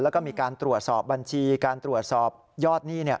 แล้วก็มีการตรวจสอบบัญชีการตรวจสอบยอดหนี้